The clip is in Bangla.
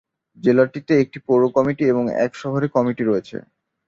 জেলাটিতে একটি পৌর কমিটি এবং এক শহরে কমিটি রয়েছে।